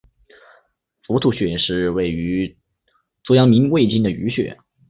伏兔穴是属于足阳明胃经的腧穴。